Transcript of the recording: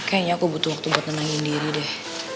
kayaknya aku butuh waktu buat nenangin diri deh